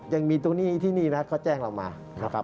ยังมีตรงนี้ที่นี่เขาแจ้งเรามา